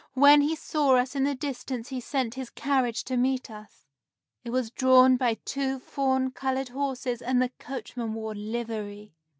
When he saw us in the distance he sent his carriage to meet us. It was drawn by two fawn colored horses, and the coachman wore livery.